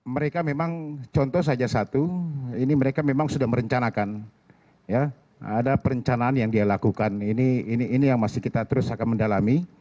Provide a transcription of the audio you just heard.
mereka memang contoh saja satu ini mereka memang sudah merencanakan ada perencanaan yang dia lakukan ini yang masih kita terus akan mendalami